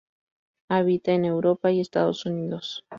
Habita en Europa y Estados Unidos.